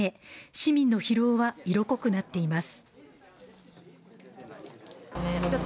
市民の疲労は色濃くなっています。